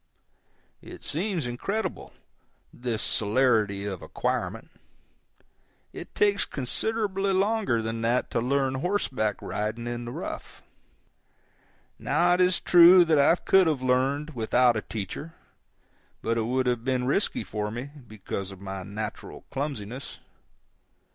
It seems incredible, this celerity of acquirement. It takes considerably longer than that to learn horseback riding in the rough. Now it is true that I could have learned without a teacher, but it would have been risky for me, because of my natural clumsiness.